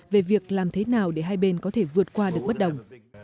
về việc làm thế nào để hai bên có thể vượt qua được bất đồng